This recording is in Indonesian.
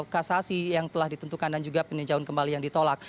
kasasi yang telah ditentukan dan juga peninjauan kembali yang ditolak